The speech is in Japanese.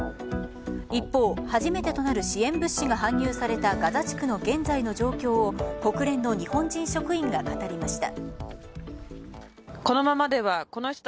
一方、初めてとなる支援物資が搬入されたガザ地区の現在の状況を国連の日本人職員が語りました。